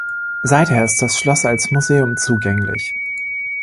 Seither ist das Schloss als Museum zugänglich.